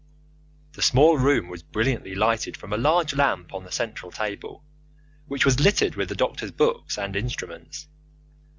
The small room was brilliantly lighted from a large lamp on the central table, which was littered with the doctor's books and instruments.